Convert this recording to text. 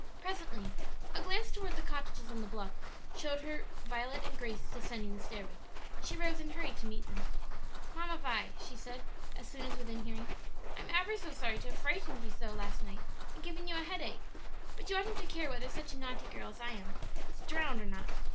Presently a glance toward the cottages on the bluff showed her Violet and Grace descending the stairway. She rose and hurried to meet them. "Mamma Vi," she said, as soon as within hearing, "I am ever so sorry to have frightened you so last night and given you a headache. But you oughtn't to care whether such a naughty girl as I am is drowned or not."